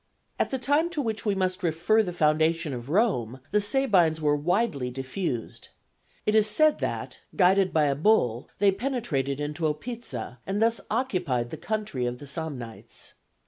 At the time to which we must refer the foundation of Rome, the Sabines were widely diffused. It is said that, guided by a bull, they penetrated into Opica, and thus occupied the country of the Samnites.